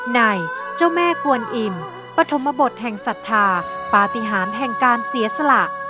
ในเจ้าแม่กวนอิ่มปฐมบทแห่งศรัทธาปฏิหารแห่งการเสียสละ